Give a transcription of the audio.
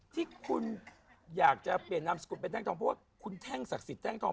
ที่คุณอยากจะเปลี่ยนนามสกุลเป็นแท่งทองเพราะว่าคุณแท่งศักดิ์สิทธิแท่งทอง